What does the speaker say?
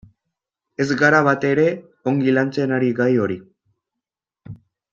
Ez gara batere ongi lantzen ari gai hori.